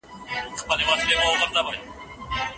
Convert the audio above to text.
آیا نیت تر عمل مهم دی؟